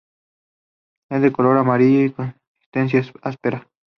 Es de color amarillo y consistencia espesa.